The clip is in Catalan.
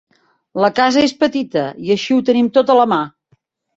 La casa és petita, i així ho tenim tot a la mà.